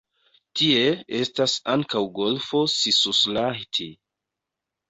Tie estas ankaŭ golfo Sisuslahti.